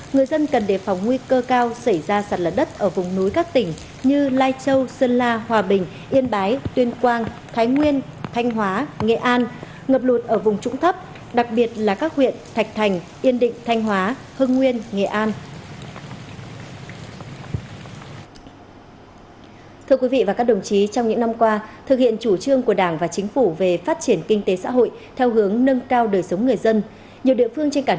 người dân cần đề phòng nguy cơ cao xảy ra sạt lẫn đất ở vùng núi các tỉnh như lai châu sơn la hòa bình yên bái tuyên quang thái nguyên thanh hóa nghệ an ngập lụt ở vùng trũng thấp đặc biệt là các huyện thạch thành yên định thanh hóa hưng nguyên nghệ an